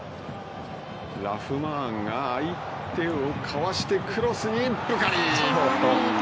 ラフマーンが相手をかわしてクロスにブカリ。